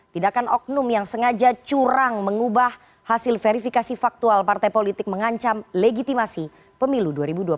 tidakkan oknum yang sengaja curang mengubah hasil verifikasi faktual partai politik mengancam legitimasi pemilu dua ribu dua puluh